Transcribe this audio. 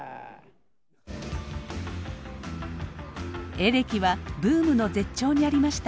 エレキはブームの絶頂にありました。